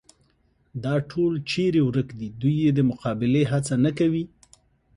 دا ټول چېرې ورک دي، دوی یې د مقابلې هڅه نه کوي.